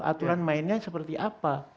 aturan mainnya seperti apa